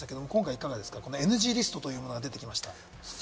今回ＮＧリストというものが出てきました。